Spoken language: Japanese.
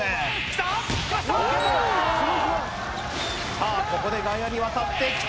さあここで外野に渡ってきた！